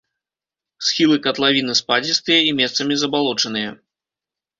Схілы катлавіны спадзістыя і месцамі забалочаныя.